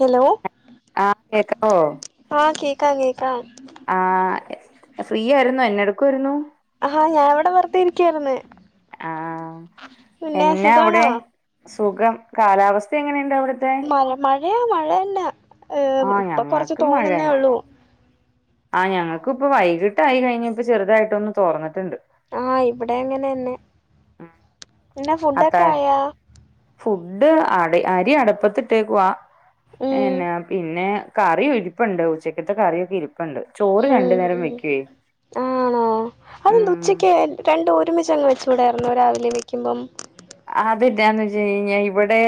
Hello ആഹ് കേക്കാവോ? ആഹ് കേക്കാ കേക്കാം ആഹ് ഫ്രീയായിരുന്നോ? എന്ന എടുക്കുവായിരുന്നു? ആഹ്‌ ഞാ ഇവടെ വെറുതേയിരിക്കുവായിരുന്ന് ആഹ്‌ എന്ന സുഖാണോ അവിടെ സുഖം കാലാവസ്ഥ എങ്ങനെയ്ണ്ട് അവിടുത്തെ? ഓഹ് മഴെഴ മഴയന്നെ ‌ ആഹ് ഇപ്പൊ കൊറച്ച് ഞങ്ങക്ക് തോർന്നെന്നേ മഴന്നെ ഒള്ളൂ ആഹ് ഞങ്ങക്ക്പ്പോ വൈകിട്ടായി കഴിഞ്ഞപ്പോ ചെറുതായിട്ടൊന്ന് തോർന്നിട്ട്ണ്ട് ആഹ് ഇവിടെയങ്ങനന്നെ എന്താ അത്താ ഫുഡൊക്കായോ? ഫുഡ് അടി അരി അടപ്പത്തിട്ടേക്കുവാ ഉം എന്ന പിന്നെ കറിയും ഇരിപ്പുണ്ട് ഉച്ചക്കത്തെ കറിയൊക്കെ ഇരിപ്പുണ്ട് ചോറ് രണ്ടു ഉം നേരം ഉം വെക്കുവേ ആണോ? അതെന്ത് ഉം ഉച്ചക്ക് രണ്ടും ഒരുമിച്ചങ്ങ് വെച്ചൂടായിരുന്നോ രാവിലെ വെക്കുമ്പം? അത് എന്ന വെച്ചയ്ഞ്ഞാ ഇവിടെ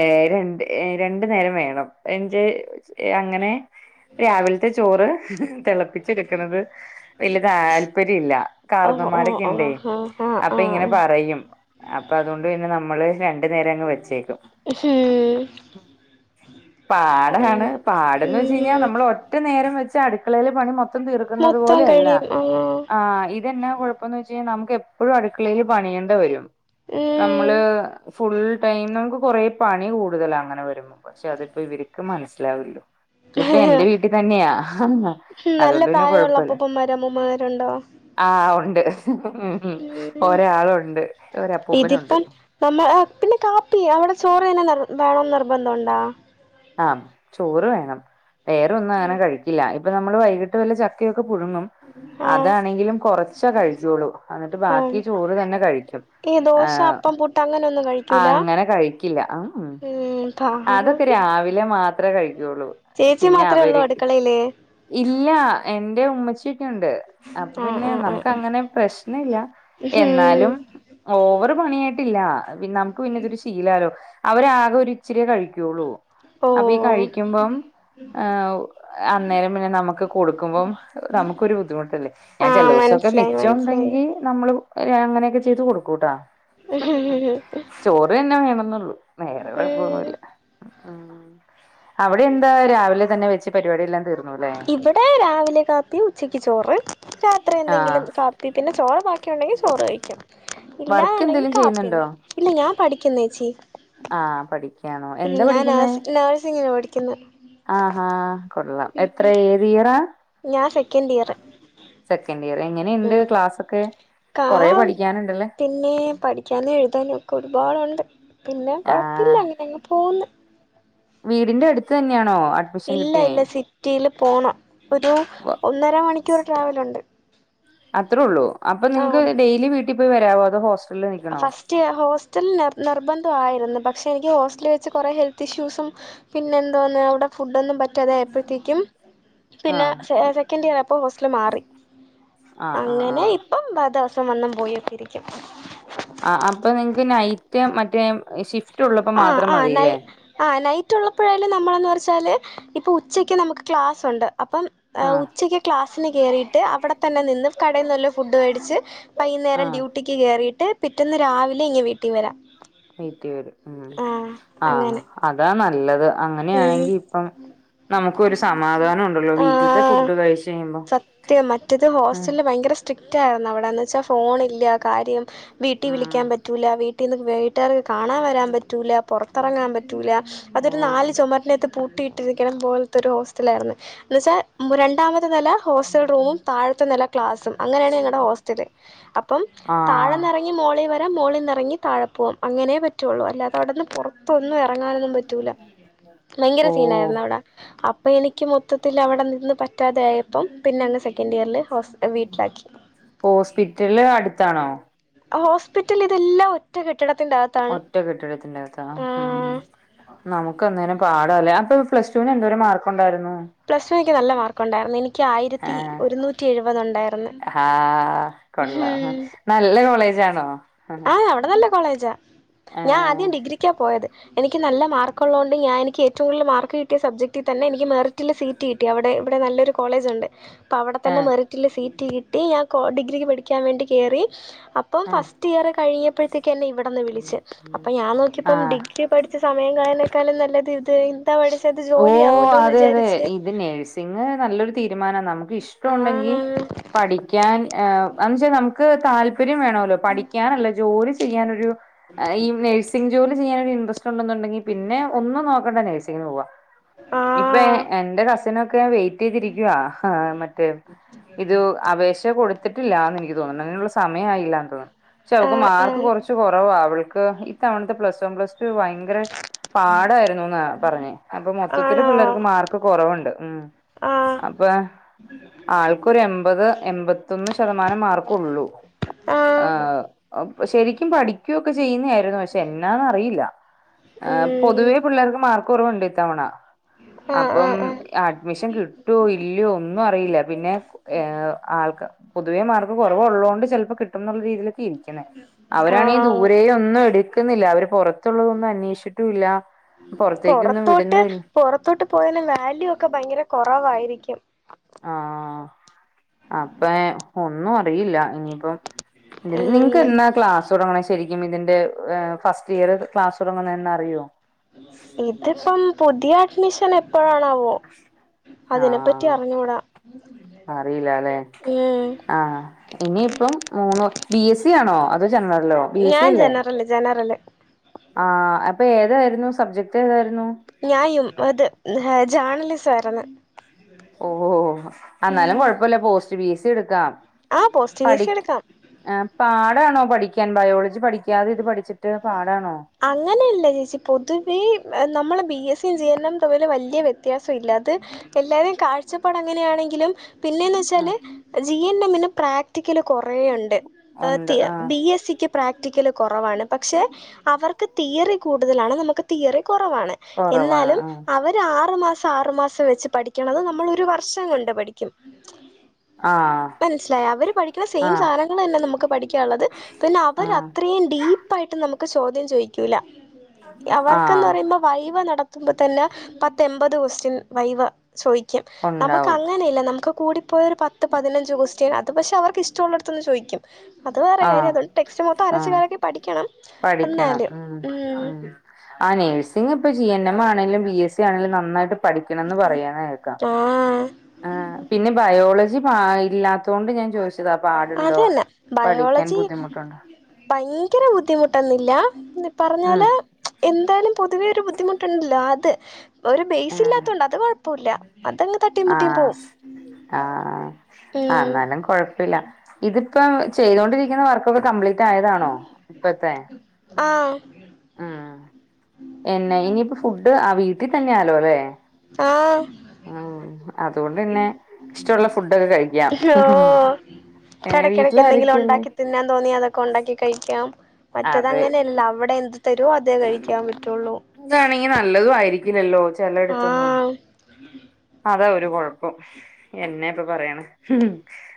ഏഹ്‌ രണ്ട് ഏഹ് രണ്ടു നേരം വേണം എന്റെ അങ്ങനെ രാവിൽത്തെ ചോറ് തെളപ്പി ച്ചെട്ക്ക്ണത് വല്ല്യ താല്പര്യല്ല ഓഹ് ഓഹ് കാർന്നോന്മാരൊക്കെ ഓഹ് ഇണ്ടേ ആഹ് ആഹ് അപ്പയിങ്ങനെ ആഹ് പറയും അപ്പൊ അതോണ്ട് പിന്നെ നമ്മള് രണ്ട് നേരങ്ങ് വെച്ചേക്കും ഉം പാടാണ് അങ്ങനെ പാടെന്ന് വെച്ച് കഴിഞ്ഞാ ഉം നമ്മള് ഒറ്റ നേരം വെച്ച് അടുക്കളയില് പണി മൊത്തം തീർക്കുന്നത് മൊത്തം പോലയല്ല കഴിയും ആഹ് ആഹ് ഈ ഇതെന്നാ കൊഴപ്പംന്ന് വെച്ച് കഴിഞ്ഞാ നമ്മുക്ക് എപ്പഴും അടുക്കളേല് പണിയണ്ടെ വരും നമ്മള് ഫുൾ ടൈം നമുക്ക് കൊറേ പണി കൂടുതല അങ്ങനെ വരുമ്പം പക്ഷെ അതിപ്പോ ഇവര്ക്ക് മനസ്സിലാവില്ലല്ലോ ഇതിപ്പോ എന്റെ ഉം വീട്ടി തന്നെയാ നല്ല അതോണ്ട് പിന്നെ പ്രായമുള്ള കൊഴപ്പമില്ല അപ്പൂപ്പന്മാരും അമ്മൂമ്മമാരുണ്ടോ ആഹ് ഉണ്ട് ഉം ഒരാളുണ്ട് ഒരപ്പൂപ്പനുണ്ട് ഇതിപ്പം നമ്മ ആഹ് പിന്നെ കാപ്പി അവിടെ ചോറ് തന്നെ നിർ വേണം നിർബന്ധോണ്ടോ? ആഹ് ചോറ് വേണം വേറൊന്നും അങ്ങനെ കഴിക്കില്ല ഇപ്പ നമ്മള് വൈകിട്ട് ട്ട് വല്ല ചക്കയൊക്കെ പുഴുങ്ങും ആഹ് അതാണെങ്കിലും കൊറച്ചേ കഴിച്ചോള്ളൂ എന്നിട്ട് ബാക്കി ആഹ് ചോറ് തന്നെ കഴിക്കും ഈ ദോശ, ആഹ് അപ്പം, പുട്ട് അങ്ങ ങ്ങനൊന്നും കഴി അങ്ങനെ കഴിക്കില്ല ഉം ഉം അതൊക്കെ രാവിലെ മാത്രേ കഴിക്കൊള്ളൂ ചേച്ചി മാത്രേ ഒള്ളോ അടുക്കളേല്? ഇല്ല എന്റെ ഉമ്മച്ചിയൊക്കെയുണ്ട് അപ്പ ആഹ് പിന്നെ ആഹ് ആഹ് നമക്ക് അങ്ങനെ പ്രശ്നല്ല ആഹ് ഉം എന്നാലും ഓവറ് പണിയായിട്ടില്ല പിന്നെ നമുക്ക് പിന്നെ ഇതൊരു ശീലാലോ അവരാറ് കൊരി ച്ചിരിയെ കഴിക്കൊള്ളൂ അപ്പി ഓഹ് കഴിക്കുമ്പം ആഹ് അന്നേരം പിന്നെ നമ്മക്ക് കൊടുക്കുമ്പം നമുക്കൊരു ബുദ്ധിമുട്ടല്ലേ ഞാൻ ആഹ് ചെലോസൊക്കെ മനസ്സിലായി മനസ്സിലായി മിച്ചോണ്ടെങ്കി നമ്മള് അങ്ങനെയൊക്കെ ചെയ്ത് കൊടുക്കൂട്ടാ ഉം ചോറെന്നെ വേണംന്നൊള്ളു വേറെ കൊഴ ഉം ഉം അവിടെ എന്താ രാവിലെ തന്നെ വെച്ച് പരിപാടിയെല്ലാം തീർന്നുല്ലേ ഇവടെ രാവിലെ കാപ്പി, ഉച്ചയ്ക്ക് ചോറ്, രാത്രി ആഹ് എന്തെങ്കിലും ക പ്പി പിന്നെ ചോറ് ബാക്കിയുണ്ടെങ്കി ചോറ് കഴിക്കും വർക്ക് ഇല്ലാന്നുണ്ടെങ്കി എന്തേലും ചെയ്യുന്നുണ്ടോ കാപ്പിയെന്നെ ഇല്ല ഞാൻ പഠിക്കുന്നേച്ചി ആഹ് പഠിക്കാ ഉം ഞാൻ നേഴ് നേഴ്സിങ്ങിന് പഠിക്ക്ന്ന് ആഹ് ഹാ കൊള്ളാം എത്ര ഏതിയറ? ഞാൻ സെക്കൻഡ് ഇയർ സെക്കന്റ് ഇയർ എങ്ങനെണ്ട് ഉം ക്ലാസൊക്കെ കൊറേ പഠിക്കാനുണ്ടല്ലേ? പിന്നേ പഠിക്കാനും എഴുതാനൊക്കെ ഒരു പാടുണ്ട് പിന്നെ കൊഴപ്പില്ല ആഹ് അങ്ങനെ അങ് പോകുന്ന് വീടിന്റെ അട് ഇല്ല ഇല്ല സി റ്റീല് പോണം ഒരു വ- ഒന്നര മണിക്കൂർ ട്രാവലുണ്ട് അത്രേ ഒള്ളൂ അപ്പ ആ നിങ്ങക്ക് ഡെയിലി വീട്ടി പോയി വരാവോ അതോ ഹോസ്റ്റലി നിക്കണോ? റ്റിയ ഹോസ്റ്റല് നിർബന്ധയിരുന്നു പക്ഷേ എനിക്ക് ഹോസ്റ്റലി വെച്ച് കൊറേ ഹെൽത്ത് ഇഷ്യൂസും പിന്നെന്തോന്ന് അവിടെ ഫുഡ്ഡോന്നും പറ്റാതായപ്പോഴത്തേക്കും പിന്നെ ആഹ് സെ സെക്കന്റ് ഇയറാ അപ്പോ ഹോസ്റ്റല് മാറി ആഹ് ആഹ് അങ്ങനെ ആഹ് ഇപ്പം ബ ദിവസം വന്നും പോയൊക്കെ ഇരിക്കും ആഹ് അപ്പൊ നിങ്ങക്ക് നൈറ്റ് മറ്റേ ഷിഫ് ആഹ് ആഹ് നൈ ആഹ് നൈറ്റ് ഉള്ളപ്പോഴായാലും നമ്മളന്ന് പറച്ചാല് ഇപ്പൊ ഉച്ചക്ക് നമുക്ക് ക്ലാസ്സുണ്ട് അപ്പം ആഹ് ഉച്ചക്ക് ക്ലാസ്സിന് കേറിട്ട് അവിടെ തന്നെ നിന്ന് കടെന്ന് വല്ല ഫുഡ് വേടിച്ച് വൈകുന്നേരം ആഹ് ഡ്യൂട്ടിക്ക് കേറീട്ട് പിറ്റന്ന് രാവിലെ ഇങ് വീട്ടീ വരാം വീട്ടി വരും ഉം ആ ആഹ് അങ്ങനെ അതാ നല്ലത് ഉം അങ്ങനെയാണെങ്കി ഇപ്പം നമുക്കൊരു സമാധാനൊ ആഹ് സത്യം മറ്റേത് ഹോസ്റ്റലില് ഭയങ്കര സ്ട്രിക്റ്റ് ആയിരുന്നു അവിടെ ന്ന് വെച്ചാ ഫോണില്ല കാര്യം വീട്ടി ഉം വിളിക്കാൻ പറ്റൂല്ല വീ ട്ടീന്ന് വീട്ടാർക്ക് കാണാൻ വരാൻ പറ്റൂല്ല പൊറത്തിറങ്ങാൻ പറ്റൂല അതൊരു ഓഹ് നാല് ചൊമരിനകത്ത് പൂട്ടിയിട്ടിരിക്ണ പോലത്തൊരു ഹോസ്റ്റലായിരുന്നു എന്ന് വെച്ചാ രണ്ടാമത് നെല ഹോസ്റ്റൽ റൂമും താഴത്തെ നെല ക്ലാസും അങ്ങനെണ് ഞങ്ങടെ ഹോസ്റ്റല് അപ്പം ആഹ് താഴെന്നിറ നി മേളീ വെരാം മോളിന്നിറങ്ങി താഴെ പോവും അങ്ങനെ പറ്റെള്ളൂ അല്ലാതെ അവിടുന്ന് പുറത്തൊന്നും എറങ്ങാനൊന്നും പറ്റ് റ്റൂല ഭയങ്കര ഓഹ് സീനായിരുന്നു അവടെ അപ്പൊ എനിക്ക് [unintelligible] മൊത്തത്തില് അവിടെ നിന്ന് പറ്റാതായപ്പം പിന്നെങ്ങ് സെക്കന്റിയറില് ഹോസ് വീട്ടിലാക്കി ഹോസ്പിറ്റല് അടുത്താണോ. ഹോസ്പിറ്റല് ഇതെല്ലാ ഒറ്റ കെട്ടിടത്തിന്റാത്. ഒറ്റ കെട്ടിടത്തിന്റെ അകത്താ ഉം. നമുക്ക് എന്തേരം പാടല്ലെ. അപ്പൊ പ്ലസ്ടുന് എന്തേരം മാർക്കുണ്ടായിരുന്നു. പ്ലസ്ടു നിക്ക് നല്ല മാർക്കുണ്ടായിരുന്നു നിക് ക്ക് ആ യിരത്തി ഏഹ് ഒരുന്നൂറ്റി എഴുപത് ഉണ്ടായിരുന്നു, ആഹ് ഹാ കൊള്ളാം ഹും. നല്ല കോളേജാണോ? ആഹ് അവിടെ നല്ല കോളേജാ. ഞാൻ ആദ്യം ഡിഗ്രിക്കാ പോയത്. എനിക്ക് നല്ല മാർക്കുള്ളോണ്ട് ഞാൻ എനിക്ക് ഏറ്റവും കൂടുതൽ മാർക്ക് കിട്ടിയ, സബ്ജക്റ്റിൽ തന്നെ എനിക്ക് മാർ റ്റില് സീറ്റ് കിട്ടി. അവിടെ ഇവിടെ നല്ലൊരു കോളേജുണ്ട്. അപ്പം അവിടെത്തന്നെ ആഹ് മെറിറ്റില് സീറ്റ് കിട്ടി. ഞാൻ കോ ഡിഗ്രിക്ക് പഠിക്കാൻ വേണ്ടി കേറി. അപ്പം ആഹ് ഫസ് റ്റിയർ കഴിഞ്ഞപ്പെഴ്തേക്ക് എന്നെ ഇവിടെന്ന് വിളിച്ച്. അപ്പൊ ഞാന് നോക്കിയപ്പം ആഹ് ഡിഗ്രി ഒക്കെ പഠിച്ച് സമയം കളയ്ണക്കാളും നല്ലത് ഇത്. പഠിച്ചത് ഓഹ് ജോലിയാവുമല്ലോന്ന് അതെ അതെ വിചാരിച്ച് ഇത് നെഴ്സ്. ഇങ്ങനെ നല്ലൊരു തീരുമാനാ. നമുക്കിഷ്ടണ്ടെങ്കീ. ആഹ് പഠിക്കാൻ ഏം ന്ന്ച്ചാ നമ്മ്ക്ക് താൽ പര്യം വേണല്ലോ. പഠിക്കാനെല്ല ജോലി ചെയ്യാനോരു ഈ നഴ്സിംഗ്. ജോലി ചെയ്യാൻ ഇൻട്രസ്റ്റ് ഉണ്ടെന്നുണ്ടെങ്കി പിന്നെ, ഒന്നും നോക്കെണ്ടാ. നെഴ്സിങ്ങിന് പോവാ. ഇപ്പൊ, ആഹ് എന്റെ കസിനൊക്കെ വെയിറ്റെയ്തിരിക്കുവാ. ഹാ മറ്റേ. ഇതു അപേക്ഷ കൊടുത്തിട്ടില്ലാന്നെനിക്ക് തോന്നണ് അയ്നുള്ള സമയായില്ലാന്ന് തോന്നുന്നു. പക്ഷെ അവക്ക് ആഹ് മാർക്ക് ആഹ് കുറച്ച് കുറവാ. അവൾക്ക് ഇതവണത്തെ പ്ലസ് വൺ പ്ലസ് ഭയങ്കര പാടായിരുന്നുന്നാ പറഞ്ഞെ അപ്പ മൊത്തത്തില് ആണോ പിള്ളേ അത്രക്ക് മാർക്ക് കുറവുണ്ട്. ഉം ആഹ് അപ്പെ ആൾക്കൊരു എൺപത്, എൺപത്തൊന്ന് ശതമാനം. മാർക്കെള്ളൂ. ആഹ് ആഹ് ശെരിക്കും പഠിക്കെക്ക ചെയ്യുന്നെ പക്ഷെ എന്നാന്നറിയില്ല ആഹ് ഉം പൊതുവേ പിള്ളേർക്ക് മാർക്ക് കുറവുണ്ട്. ഇത്തവണ ആഹ് അപ്പം ആഹ് ആഹ് അഡ്മിഷൻ കിട്ടേ, ഇല്ലൃയോ, ഒന്നും അറിയില്ല പിന്നെ. ഏഹ് ആൾക്ക് പൊതുവേ മാർക്ക് കുറവുള്ളേണ്ട്. ചെൽപ്പം കിട്ടുന്നുള്ള രീതിയിലൊക്കെ ഇരി അങ്ങനെ അവരാണങ്കി ആഹ് ദൂരെയെന്നും എടുക്കുന്നില്ല. അവര് പെറ തുള്ളതെന്നും അന്വേഷിച്ചിട്ടുല്ലാ പുറത്തേക്കൊന്നും വിട് ഇട്ട് പുറത്തോട്ട് പോയാല്. വാല്യൂ ഒക്കെ ഭയങ്കര കുറവായിരിക്കും. ആഹ് അപ്പെ ഒന്നും അറിയില്ല ഇനി. അപ്പം ഉം നിക്കെന്നാ ക്ലാസ് തുടങ്ങ്ണ്ച് ശരിക്കും ഇതിന്റെ ഫസ്റ്റ് ഇയർ, ക്ലാസ് തുടങ്ങുന്നെന്നാ. അറിയേ? ഇതിപ്പം പുതിയ അഡ്മിഷെൻ എപ്പോഴാണാവോ. അതിനെപ്പറ്റി അറിഞ്ഞൂടാ. അറീല ലെ ഉം ആഹ് ഇനിയിപ്പം മൂന്നു ബി. എസ്. ബി സി ആണോ. അതോ ജനറലേ, ബി. എസ്. സി. അല്ലെ. അല്ല ജെനറല്. ആഹ്, അപ്പ ഏതായിരുന്നു. സബ്ജക്ട് ഏതായിരുന്നു. ഞായും, അത്. ഏഹ് ജാണലിസായിരുന്നു. ഓഹ് എന്നാലും ഉം കൊഴപ്പല്ല. Post B. സി. എടുക്കാം. ആഹ് പോസ്റ്റ് ബി. സി. എടുക്കാം. ഏഹ് പാടാണോ പഠിക്കാൻ. ബയോളജി പഠിക്കാതെ, ഇത് പഠിച്ചിട്ട്. പാടാണോ? അങ്ങനെയല്ല ചേച്ചി പൊതുവേ നമ്മളെ ബി. എസ്. സി ജിഎൻട്രവലും വല്യ വ്യത്യാസല്ലാ അത്. എല്ലാരേം കാഴ്ചപ്പാട് അങ്ങനെയാണെങ്കിലും. പിന്നെ ആഹ് ന്നെച്ചാല്. ജി. എൻ. എമ്മിന്. പ്രാക്ടിക്കല് കുറെണ്ട്. ഉണ്ട് ആതിയ ആഹ് ബി എസ് സിക്ക് പ്രാക്ടിക്കല് കുറവാണ് പക്ഷെ അവർക്ക് തിയറി കൂടുതലാണ് നമുക്ക് തിയറി കുറവാണ് കൊറവാണ് എന്നാലും അവര് ആറു മാസം ആറു മാസം വെച്ച് പഠിക്കണത് നമ്മൾ ഒരു വർഷം കൊണ്ട് പഠിക്കും ആഹ് മനസ്സിലായ അവര് പഠിക്കണ സെയിം ആഹ് സാധനങ്ങൾ തന്നെ നമുക്ക് പഠിക്കാനുള്ളത് പിന്നെ ആഹ് അവര് ആഹ് അത്രയും ഡീപ്പായിട്ട് നമുക്ക് ചോദ്യം ചോദിക്കൂല അവർക്കന്ന് ആഹ് പറയുമ്പോ വൈവ നടത്തുമ്പോ തന്നെ പത്ത് എമ്പത് ക്വൊസ്റ്റ്യൻ വൈവ ചോയിക്കും നമുക്ക് ഉണ്ടാവും അങ്ങനില്ല നമുക്ക് കൂടി പ്പോയ ഒരു പതിനഞ്ച് ക്വൊസ്റ്റ്യൻ അത് പക്ഷേ അവർക്ക് ഇഷ്ടുള്ളടത്തുന്ന് ചോയിക്കും അത് വേറെ കാര്യം ആഹ് അതൊണ്ട് ടെക്സ്റ്റ് മൊത്തം ആഹ് അരച്ചുകാലക്കി പഠിക്കണം പഠിക്കണം എന്നാലും മ് ഉം മ് ആ നഴ്സിംഗ് ഇപ്പ ജി എൻ എം ആണെലും ബി എസ് സി ആണെങ്കിലും നന്നായിട്ട് പഠിക്കണംന്ന് പറയാന കേക്കാം ആഹ് ആ പിന്നെ ബയോളജി പ ഇല്ലാത്ത കൊണ്ട് ഞാൻ ചോയിച്ച ഇതാ പാടുണ്ടോ പഠിക്കാൻ ബുദ്ധിമുട്ടുണ്ടോ പയ്ങ്കര ബുദ്ധിമുട്ടൊന്നില്ല ഉം പിന്നിപ്പറഞ്ഞാല് എന്തായാലും പൊതുവെ ഒരു ബുദ്ധിമുട്ടുണ്ടല്ലോ അത് ഒരു ബെയസ് ഇല്ലാതൊണ്ട അത്കൊഴ് പ്പല്ല അതങ്ങ് തട്ടിയും മുട്ടിയും ആഹ പോവും ആഹ ഉം അന്നാലും കൊഴപ്പില്ല ഇതിപ്പം ചെയ്തൊണ്ടിരിക്കുന്ന വർക്കൊക്കെ കംപ്ലീറ്റായതാണോ ഇപ്പഴത്തെ ആഹ് ഉം എന്ന ഇനിയിപ്പ ഫുഡ് ആ വീട്ടിൽ തന്നെ ആലോ ല്ലേ ആഹ് ആഹ് അതോണ്ട്ന്നെ ഇഷ്ടമുള്ള ഫുഡൊക്കെ കഴിക്കാം ഓ ഏ ഇടക്കിടക്ക് എന്തെങ്കിലും വീട്ടിലാരൊക്കെണ്ട് ഉണ്ടാക്കി തിന്നാൻ തോന്നിയ അതൊക്കെ ഒണ്ടാക്കി കഴിക്കാം മറ്റത് അതെ അങ്ങനെയല്ലല്ലോ അവിടെ എന്ത്‌ തര്വോ അതേ കഴിക്കാൻ പറ്റുള്ളൂ ജ്ജാണെങ്കി നല്ലതും ആയിരിക്കില്ലല്ലോ ചെലയിടത്തൊന്നും ആഹ് [inaudible] അതാ ഒരു കുഴപ്പം എന്നാ ഇപ്പൊ പറയണെ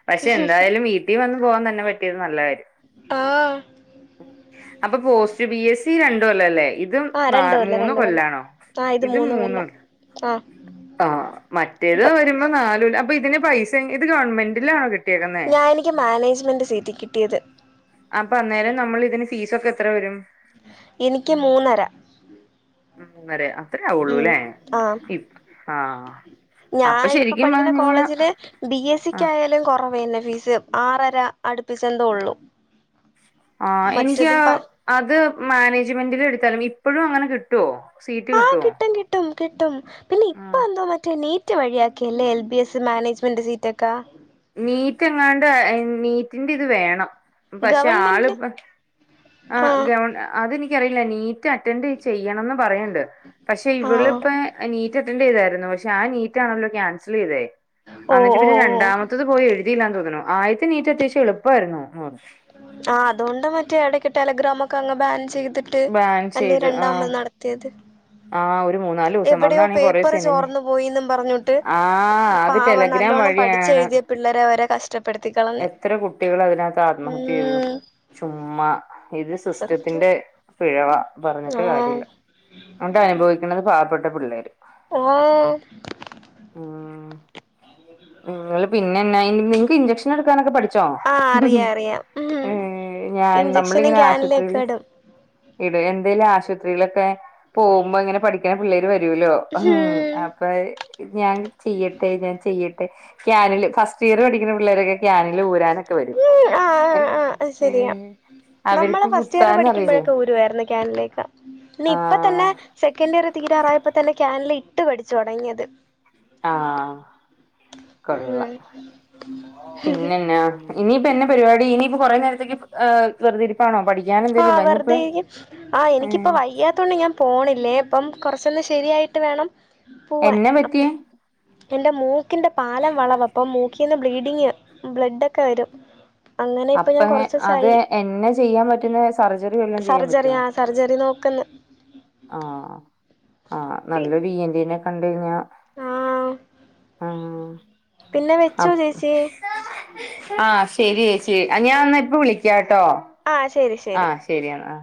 പക്ഷെ എന്തായാലും വീട്ടി വന്ന് പോകാൻ തന്നെ പറ്റിയത് നല്ല കാര്യം ആഹ് അപ്പൊ പോസ്റ്റ് ബി എസ് സി രണ്ടുകൊല്ലല്ലേ? ഇതും ആഹ് ന രണ്ട് കൊല്ലം മൂന്ന് രണ്ട് കൊല്ലം കൊല്ലാണോ ആഹ് ഇത് ഇതും മൂന്ന് കൊല്ലം ആഹ് ആഹ് മറ്റേത് ഇപ്പ വരുമ്പോ നാല് കൊല്ലം അപ്പൊ ഇതിന് പൈസ ഇത് ഗവൺമെന്റിലാണോ കി ഞാ എനിക്ക് മാനേജ്മെൻറ് സീറ്റി കിട്ടിയത് അപ്പൊ അന്നേരം നമ്മൾ ഇതിന് ഫീസോക്കെ എത്ര വരും എനിക്ക് മൂന്നര മംന്നരയ ആഹ് അത്രേ ഉം ആവുള്ളൂല്ലേ ആഹ് ഇപ് ആഹ് ഞാൻ അപ്പൊ ഇപ്പൊ ശരിക്കും പഠിക്കുന്ന പറഞ്ഞഴിഞ്ഞ കോളേജില് ബി എസ് സി ക്കായാലും കുറവന്നെ ഫീസ് ആറര അടുപ്പിച്ചെന്തോള്ളു ആഹ് എനിക്ക് അത് മാനേജ്മെന്റില് എടുത്താലും ഇപ്പഴും അങ്ങനെ കിട്ടുവോ സീറ്റ് കിട്ടുവോ ട്ടും കിട്ടും പിന്നെ ഇപ്പ ആഹ് എന്തോ മറ്റേ നീറ്റ് റ്റ് വഴിയാക്കി അല്ലേ എൽ ബി എസ് മാനേജ്മെൻറ് സീറ്റൊക്കെ നീറ്റ് എങ്ങാണ്ട് നീറ്റിന്റെ ഇത് വേണം പക്ഷെ ആള് ഗവൺമെന്റില് ഇപ്പ ആ ആഹ് ഗവൺ അതെനിക്കറിയില്ല നീ റ്റ് അറ്റൻഡ് ചെയ്യണംന്ന് പറയണ്ട് പക്ഷെ ആഹ് ഇവളിപ്പ നീറ്റ് അറ്റൻഡ് ചെയ്തായിരുന്നു പക്ഷെ ആ നീറ്റ് ആണല്ലോ ക്യാൻസൽ ചെയ്തെ ഓഹ് എന്നിട്ട് പിന്നെ ഓഹ് ഓഹ് രണ്ടാമത്തെ ത്തത് പോയി എഴുതിയില്ലാന്ന് തോന്നണു ആദ്യത്തെ നീറ്റ് അത്യാവശ്യം എളുപ്പമായിരുന്നു ആഹ് അതുകൊണ്ട് മറ്റേ ഇടക്ക് ടെലഗ്രാം ഒക്കെ അങ്ങ് ബാൻ ചെയ്തിട്ട് ബാൻ അല്ലെ ചെയ്ത് രണ്ടാത് ആഹ് നട ത്തിയത് ആഹ് ഒരു മൂന്നാലു ദിവസം അന്നാണെ കൊറെ സിനിമയെ ചോർന്നു പോയിന്നും പറഞ്ഞിട്ട് ആഹ് അത് ടെലഗ്രാം വഴി വഴിയാണ് പിള്ളരെ അവരെ കഷ്ടപ്പെടുത്തി കളഞ്ഞു എത്ര കുട്ടികളാ അതിനകത്ത് ആത്മഹത്യ ചെയ്തു ചുമ്മാ ഇത് സത്യം സിസ്റ്റത്തിന്റെ പിഴവ പറഞ്ഞിട്ട് ആഹ് കാര്യമില്ല അതുകൊണ്ട് അനുഭവിക്കണത് പാവപ്പെട്ട പിള്ളേരും ഓഹ് ഉം നിങ്ങള് പിന്നെ എന്നായി നിങ്ങക്ക് ഇഞ്ചെക്ഷൻ എടുക്കാനൊക്കെ പഠിച്ചോ ആഹ് ച്ചോ അറിയാം അറിയാം ഉം ഞാൻ ഇഞ്ചക്ഷനും നമ്മളിങ്ങനെ ക്യാനിലൊക്കെ ഇടും ആശുപത്രിയില് എന്തേലും ആശുപത്രികളൊക്കെ പോകുമ്പോ ഇങ്ങനെ പഠിക്കണ പിള്ളേര് വരൂല്ലോ ഉം അപ്പോ ഞാൻ ചെയ്യട്ടെ ഞാൻ ചെയ്യട്ടെ ക്യാനിൽ ഫസ്റ്റ് ഇയർ പഠിക്കുന്ന പിള്ളേരൊക്കെ ക്യാനില് ഊരാനൊക്കെ വരും ഉം ഉം ആഹ് ആഹ് അത് ഉം ശരിയാ നമ്മള് ഫസ്റ്റ് ഇയർ പഠിക്കുമ്പോഴക്കെ ഊരുവായിരുന്നു ക്യാനിലൊക്കെ പിന്നെ ഇപ്പ ആഹ് തന്നെ സെക്കൻഡ് ഇയർ തീരാറായപ്പോ തന്നെ ക്യാനില് ഇട്ട് പഠിച്ചു തുടങ്ങിയത് ആഹ് ഉം കൊള്ളാം പിന്നെന്നാ ഇനിയിപ്പൊ എന്ന പരിപാടി ഇനിപ്പോ കൊറേ നേരത്തേക്ക് വെറുതിരിപ്പാണോ പണി ആഹ് വെറുതെ ഇരിക്കും ആഹ് ഉം എനിക്കിപ്പ വയ്യാത്തോണ്ട് ഞാൻ പോണില്ലേ അപ്പം കൊറച്ചൊന്ന് ശരിയായിട്ട് വേണം പോവാൻ എന്നാ പറ്റിയേ അപ്പം എന്റെ മൂക്കിന്റെ പാലം വളവ് അപ്പം മൂക്കിൽ നിന്ന് ബ്ലീഡിങ് ബ്ലഡ്ക്കെ വരും അങ്ങനെ ഇപ്പൊ ഞാൻ കുറച്ച് ദിവസയി എന്നാ ചെയ്യാൻ പറ്റുന്നെ സർജറി വെല്ലോം സർജറി ആഹ് സർജറി നോക്ക്ന്ന് ആഹ് ആഹ് പി നല്ലൊരു ഇയൻടിനെ കണ്ട് കഴിഞ്ഞാ ആഹ് ആഹ് പിന്നെ വെച്ചോ അപ്പ ചേച്ചി ആഹ് ശരി ചേച്ചി ആഹ് ഞാൻഎന്നാ ഇപ്പം വിളിക്കാട്ടോ ആഹ് ശരി ആഹ് ശരി എന്നാ